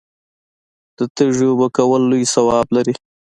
د تږي اوبه کول لوی ثواب لري.